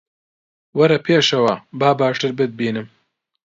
وەرە پێشەوە، با باشتر بتبینم